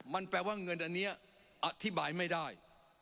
มันแปลว่าเงินอันนี้อธิบายไม่ได้